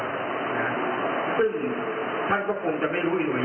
ก็ยังไม่รู้ว่ามันจะยังไม่รู้ว่า